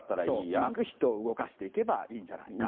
うまく人を動かしていけばいいじゃないかと。